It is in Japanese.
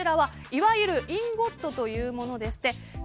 こちらはいわゆるインゴットというものです。